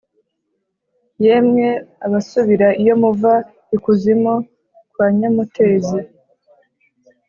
Yemwe abasubira iyo muva, I kuzimu kwa Nyamutezi,